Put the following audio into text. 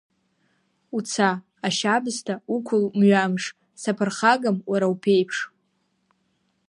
Уца, ашьабсҭа, уқәыл мҩамыш, саԥырхагам уара уԥеиԥш!